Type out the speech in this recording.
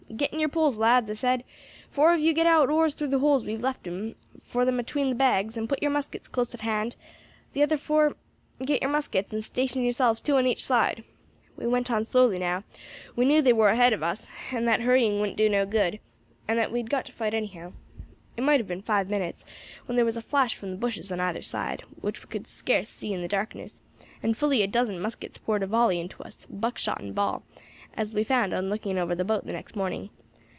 'Get in your poles, lads,' I said; 'four of you get out oars through the holes we have left for them atween the bags, and put your muskets close at hand; the other four get your muskets, and station yourselves two on each side.' We went on slowly now; we knew they war ahead of us, and that hurrying wouldn't do no good, and that we had got to fight anyhow. It might have been five minutes when thar was a flash from the bushes on either side which we could scarce see in the darkness, and fully a dozen muskets poured a volley into us, buckshot and ball, as we found on looking over the boat the next morning.